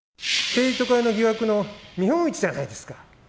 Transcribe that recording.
政治とカネの疑惑の見本市じゃないですか。